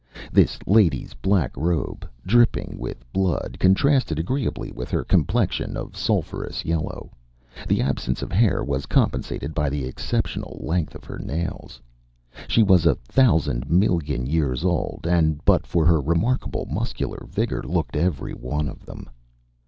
This lady’s black robe, dripping with blood, contrasted agreeably with her complexion of sulphurous yellow; the absence of hair was compensated by the exceptional length of her nails; she was a thousand million years old, and, but for her remarkable muscular vigour, looked every one of them.